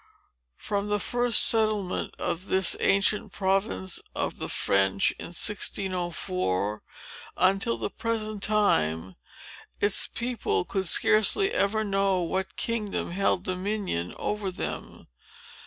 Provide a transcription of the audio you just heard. From the first settlement of this ancient province of the French, in 1604, until the present time, its people could scarcely ever know what kingdom held dominion over them.